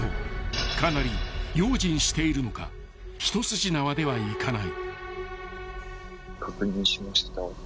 ［かなり用心しているのか一筋縄ではいかない］